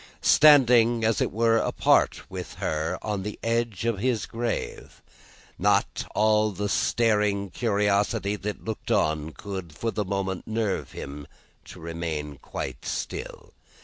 Standing, as it were, apart with her on the edge of his grave, not all the staring curiosity that looked on, could, for the moment, nerve him to remain quite still.